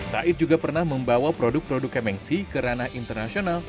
tait juga pernah membawa produk produk kamex sih ke ranah internasional